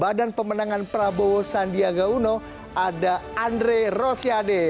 badan pemenangan prabowo sandiaga uno ada andre rosiade